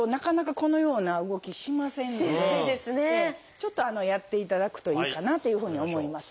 ちょっとやっていただくといいかなというふうに思います。